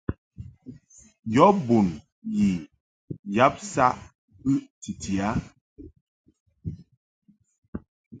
Yɔ bun yi yab saʼ bɨʼ titi a.